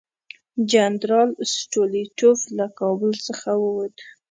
جنرال سټولیټوف له کابل څخه ووت.